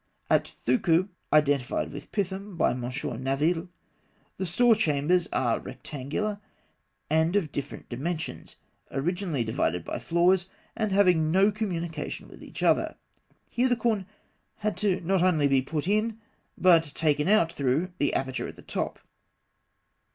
At Thûkû, identified with Pithom by M. Naville, the store chambers (A) are rectangular and of different dimensions (fig. 45), originally divided by floors, and having no communication with each other. Here the corn had to be not only put in but taken out through the aperture at the top.